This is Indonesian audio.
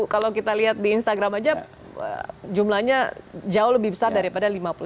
kalau kita lihat di instagram aja jumlahnya jauh lebih besar daripada lima puluh